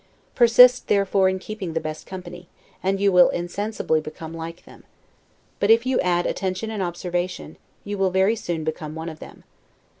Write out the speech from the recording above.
Persist, therefore, in keeping the best company, and you will insensibly become like them; but if you add attention and observation, you will very soon become one of them.